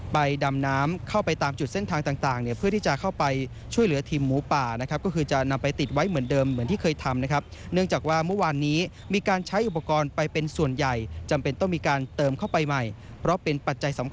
ไปดำน้ำเข้าไปตามจุดเส้นทางต่างเพื่อที่จะเข้าไปช่วยเหลือทีมหมูป่านะครับ